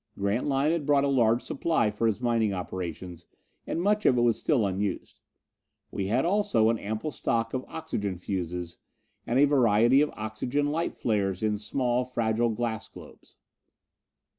Grantline had brought a large supply for his mining operations, and much of it was still unused. We had, also, an ample stock of oxygen fuses, and a variety of oxygen light flares in small fragile glass globes.